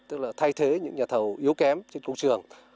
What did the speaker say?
tức là thay thế những nhà thầu yếu kém trên công trường